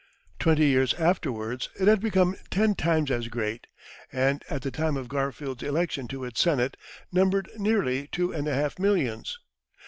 Twenty years afterwards it had become ten times as great, and at the time of Garfield's election to its Senate, numbered nearly two and a half millions.